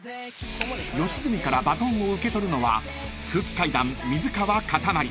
［吉住からバトンを受け取るのは空気階段水川かたまり］